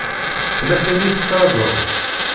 Tella tin i tettṛajuḍ?